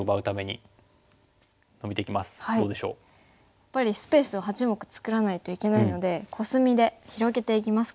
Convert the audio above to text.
やっぱりスペースを８目作らないといけないのでコスミで広げていきますか。